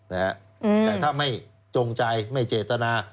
แต่ถ้าไม่จงใจไม่เจตนา